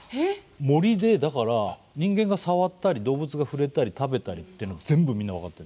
森でだから人間が触ったり動物が触れたり食べたりっていうのは全部みんな分かってる。